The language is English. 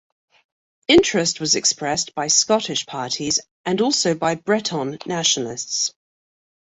Interest was expressed by Scottish parties, and also by Breton nationalists.